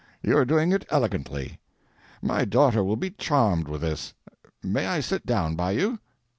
You are doing it elegantly. My daughter will be charmed with this. May I sit down by you?"